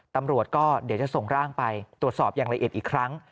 ตำรวจก็เดี๋ยวจะส่งร่างไปตรวจสอบอย่างละเอียดอีกครั้ง